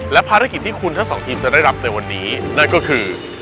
และภารกิจที่คุณทั้งสองทีมจะได้รับในวันนี้นั่นก็คือ